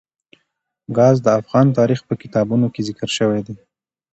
ګاز د افغان تاریخ په کتابونو کې ذکر شوی دي.